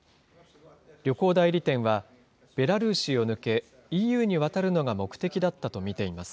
旅行代理店は、ベラルーシを抜け、ＥＵに渡るのが目的だったと見ています。